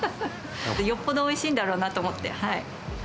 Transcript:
よっぽどおいしいんだろうなと思って。